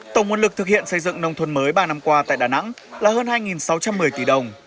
tổng nguồn lực thực hiện xây dựng nông thôn mới ba năm qua tại đà nẵng là hơn hai sáu trăm một mươi tỷ đồng